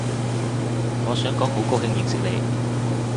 我想講好高興認識你